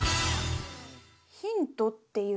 ヒントっていうか